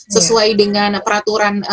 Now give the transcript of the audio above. sesuai dengan peraturan